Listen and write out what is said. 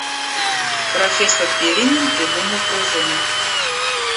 Профессор Перинин придумал пружины.